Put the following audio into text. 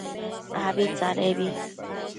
Abi tsadebi